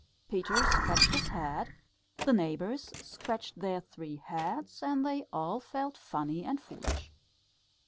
Peter scratched his head, the neighbours scratched their three heads, and they all felt funny and foolish.